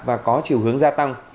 và có chiều hướng gia tăng